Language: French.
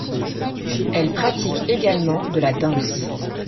Elle pratique également de la danse.